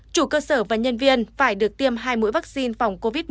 chủ cơ sở và nhân viên phải được tiêm hai mũi vaccine phòng covid một mươi chín